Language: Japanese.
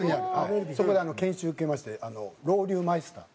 そこで研修受けましてロウリュマイスター。